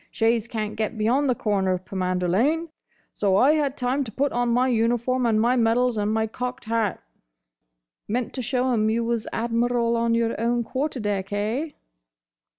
Shays can't get beyond the corner of Pomander Lane; so I had time to put on my uniform, and my medals, and my cocked hat—" "Meant to show 'em you was Admiral on your own quarter deck, eh?"